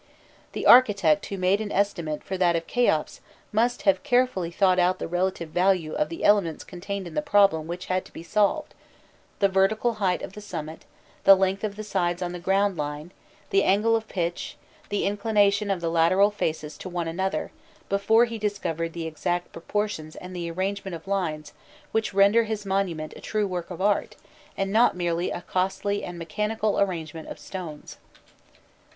The architect who made an estimate for that of Kheops, must have carefully thought out the relative value of the elements contained in the problem which had to be solved the vertical height of the summit, the length of the sides on the ground line, the angle of pitch, the inclination of the lateral faces to one another before he discovered the exact proportions and the arrangement of lines which render his monument a true work of art, and not merely a costly and mechanical arrangement of stones.